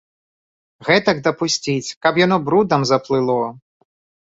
Гэтак дапусціць, каб яно брудам заплыло!